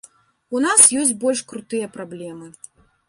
У нас ёсць больш крутыя праблемы.